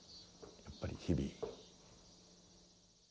やっぱり日々。